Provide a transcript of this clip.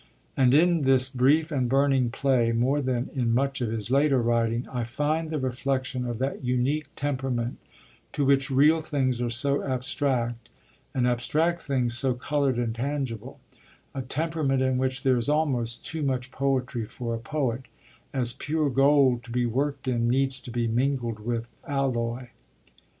And in this brief and burning play, more than in much of his later writing, I find the reflection of that unique temperament, to which real things are so abstract, and abstract things so coloured and tangible; a temperament in which there is almost too much poetry for a poet as pure gold, to be worked in, needs to be mingled with alloy.